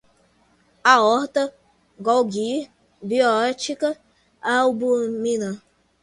aorta, golgi, bioética, albumina